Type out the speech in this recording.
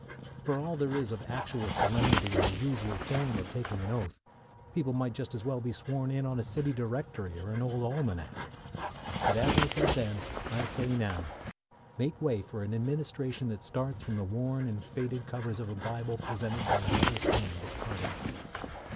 For all there is of actual solemnity in the usual form of taking an oath, people might just as well be sworn in on a city directory or an old almanac. But, as I said then, I say now make way for an administration that starts from the worn and faded covers of a Bible presented by a mother's hand at parting.